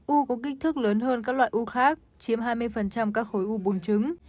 u có kích thức lớn hơn các loại u khác chiếm hai mươi các khối u bùng trứng